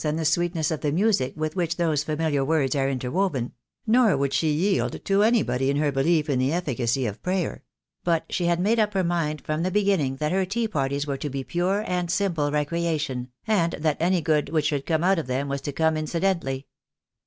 275 and the sweetness of the music with which those familiar words are interwoven; nor would she yield to anybody in her belief in the efficacy of prayer; but she had made up her mind from the beginning that her tea parties were to be pure and simple recreation, and that any good which should come out of them was to come incidentally.